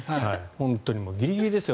本当にね、ギリギリですよ